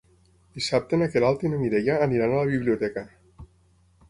Dissabte na Queralt i na Mireia aniran a la biblioteca.